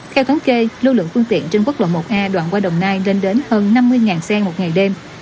theo thống kê lưu lượng phương tiện trên quốc lộ một a đoạn qua đồng nai lên đến hơn năm mươi xe một ngày đêm